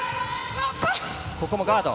ここもガード。